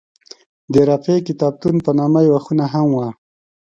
د رفیع کتابتون په نامه یوه خونه هم وه.